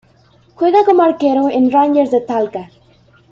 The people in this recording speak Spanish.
Juega como arquero en Rangers de Talca.